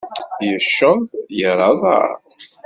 Yecceḍ, yerra aḍar.